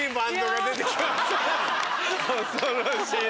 恐ろしい。